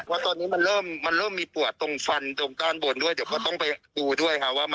ก็ตอนนี้มันเริ่มมีปั่วตรงฟันตรงต้านบนด้วยเดี๋ยวต้องไปดูด้วยค่ะ